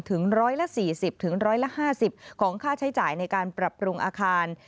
ถึงร้อยละ๔๐ถึงร้อยละ๕๐ของค่าใช้จ่ายในการปรับปรุงอาคาร